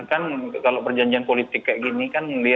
kan kalau perjanjian politik kayak gini kan